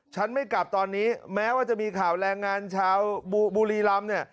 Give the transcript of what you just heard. ไม่กลับตอนนี้แม้ว่าจะมีข่าวแรงงานชาวบุรีรำเนี่ย